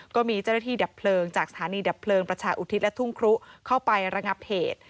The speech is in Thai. ก็มีเจ้าหน้าที่ดับเพลิงจากสถานีดับเพลิงประชาอุทิศและทุ่งครุเข้าไประงับเหตุ